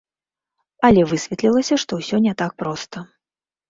Але высветлілася, што ўсё не так проста.